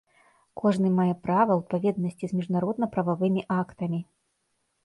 Кожны мае права ў адпаведнасці з міжнародна-прававымі актамі.